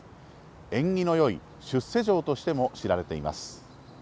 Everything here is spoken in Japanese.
縁起のよい出世城としても知られています。